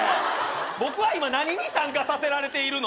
僕は今何に参加させられてるの？